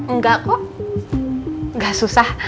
enggak kok enggak susah ya susah dong jess